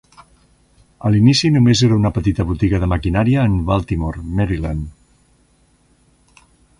A l'inici només era una petita botiga de maquinària en Baltimore, Maryland.